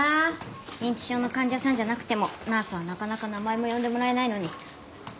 認知症の患者さんじゃなくてもナースはなかなか名前も呼んでもらえないのに。